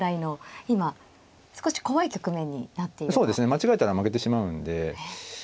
間違えたら負けてしまうんで。